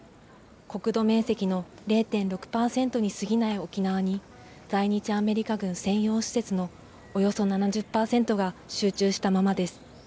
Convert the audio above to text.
国土面積の０．６％にすぎない沖縄に、在日アメリカ軍専用施設のおよそ７０％が集中したままです。